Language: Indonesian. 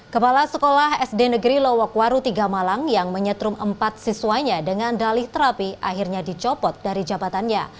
kepala sekolah sd negeri lowokwaru iii malang yang menyetrum empat siswanya dengan dalih terapi akhirnya dicopot dari jabatannya